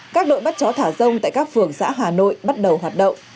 các đội bắt chó thả rông tại các phường xã hà nội bắt đầu hoạt động